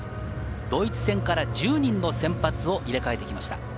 ドイツ戦から１０人の先発を入れ替えてきました。